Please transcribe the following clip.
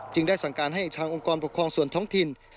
ได้สั่งการให้ทางองค์กรปกครองส่วนท้องถิ่น